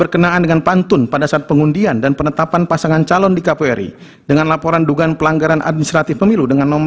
karena tidak terdapat dugaan pelanggaran pemilu